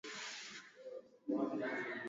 Niyaachie nani maisha yangu?